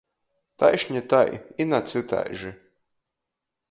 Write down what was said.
Taišni tai i na cytaiži!